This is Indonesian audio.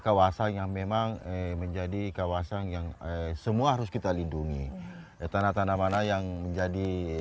kawasan yang memang menjadi kawasan yang semua harus kita lindungi tanah tanah mana yang menjadi